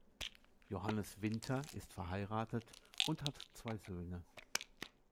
Johannes Winter ist verheiratet und hat zwei Söhne.